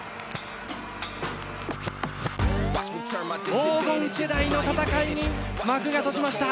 黄金世代の戦いに幕が閉じました。